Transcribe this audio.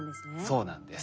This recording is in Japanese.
そうなんです。